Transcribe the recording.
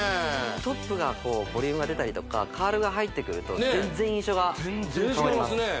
トップがこうボリュームが出たりとかカールが入ってくると全然印象が変わります